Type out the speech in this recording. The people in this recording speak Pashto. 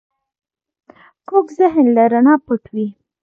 کوږ ذهن له رڼا پټ وي